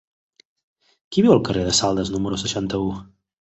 Qui viu al carrer de Saldes número seixanta-u?